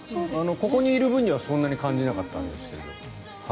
ここにいる分にはそんなに感じなかったんだけど。